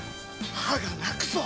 歯が泣くぞ！